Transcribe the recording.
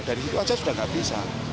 dari situ saja sudah tidak bisa